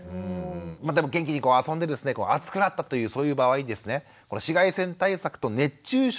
でも元気に遊んで暑くなったというそういう場合ですね紫外線対策と熱中症の対策